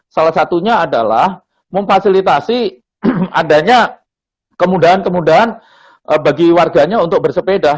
salah satunya adalah memfasilitasi adanya kemudahan kemudahan bagi warganya untuk bersepeda